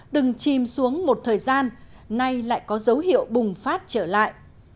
từng chìm xuống một thời gian nay lại có dấu hiệu bùng phát trở lại